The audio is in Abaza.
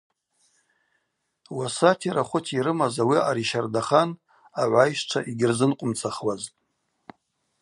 Уасати рахвыти йрымаз, ауи аъара йщардахан, агӏвайщчва йгьырзынкъвымцахуазтӏ.